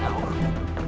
gak ada apa apa